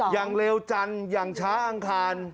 อย่างเร็วจังอย่างช้าอังคาร